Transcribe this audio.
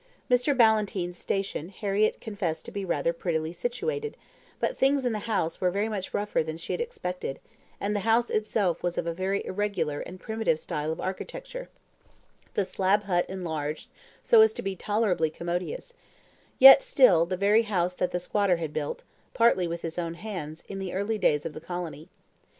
Mr. Ballantyne's station Harriett confessed to be rather prettily situated; but things in the house were much rougher than she had expected, and the house itself was of a very irregular and primitive style of architecture the slab hut enlarged so as to be tolerably commodious; yet, still, the very house that the squatter had built, partly with his own hands, in the early days of the colony.